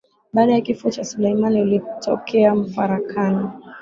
Baada ya kifo cha Suleimani ulitokea mfarakano